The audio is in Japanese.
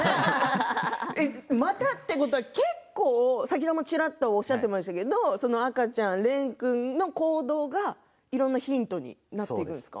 またということは結構先ほどもちらっとおっしゃっていましたけど赤ちゃんの蓮君の行動がいろいろヒントになっているんですね。